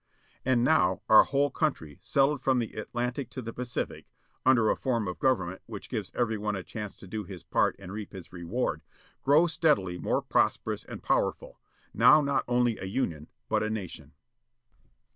And now, our whole country settled from the Atlantic to the Pacific, under a form of government which gives everyone a chance to do his part and reap his reward, grows steadily more prosperous and powerful, now not only a Union, but a Nation.